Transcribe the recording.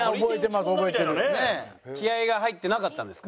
気合が入ってなかったんですか？